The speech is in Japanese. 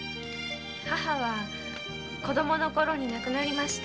母は子供のころに亡くなりました。